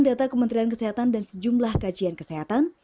data kementerian kesehatan dan sejumlah kajian kesehatan